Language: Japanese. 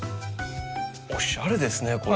おしゃれですねこれ。